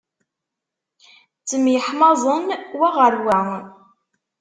Ttemyeḥmaẓen wa ɣer wa.